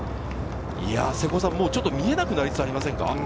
いや、瀬古さん、もうちょっと見えなくなりつつありませんか？